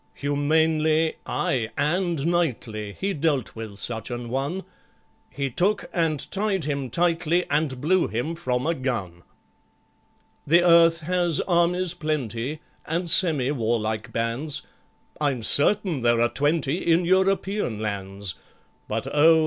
Humanely, ay, and knightly He dealt with such an one; He took and tied him tightly, And blew him from a gun. The earth has armies plenty, And semi warlike bands, I'm certain there are twenty In European lands; But, oh!